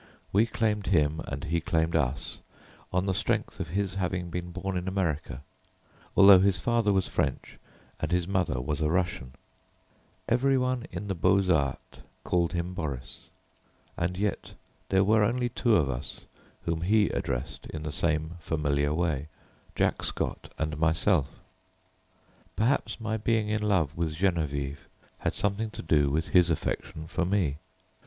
We claimed him and he claimed us on the strength of his having been born in America, although his father was French and his mother was a Russian. Every one in the Beaux Arts called him Boris. And yet there were only two of us whom he addressed in the same familiar way Jack Scott and myself. Perhaps my being in love with Geneviève had something to do with his affection for me.